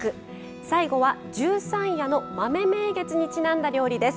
最後は、十三夜の豆名月にちなんだ料理です。